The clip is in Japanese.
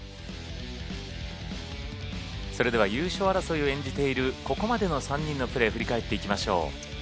それでは優勝争いを演じているここまでの３人のプレー振り返っていきましょう。